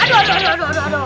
aduh aduh aduh